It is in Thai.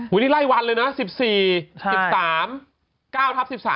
อุ้ยนี่ไล่วันเลยนะ๑๔๑๓๙ทับ๑๓๙ทับ๑๔นะ